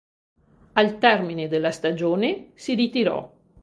Al termine della stagione, si ritirò.